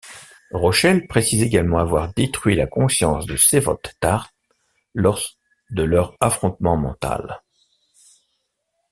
Rochel précise également avoir détruit la conscience de Sévoth-Tart lors de leur affrontement mental.